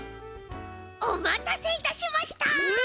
おまたせいたしました！